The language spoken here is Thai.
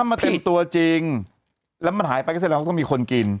มันเต็มตัวจริงแล้วมันหายไปก็แสดงว่าต้องมีคนกิน